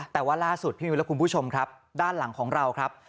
แต่ว่าล่าสุดพี่มิวและคุณผู้ชมครับด้านหลังของเราครับ